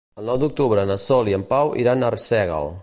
El nou d'octubre na Sol i en Pau iran a Arsèguel.